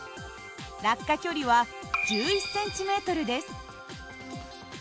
落下距離は１１ｃｍです。